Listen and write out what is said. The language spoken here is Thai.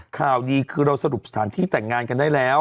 ข่าวดีคือเราสรุปสถานที่แต่งงานกันได้แล้ว